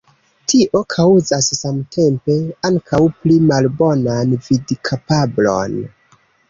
Tio kaŭzas samtempe ankaŭ pli malbonan vidkapablon.